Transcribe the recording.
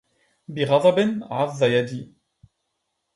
بغضب عض يدي